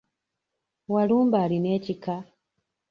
Walumbe alina ekika?